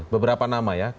beberapa nama ya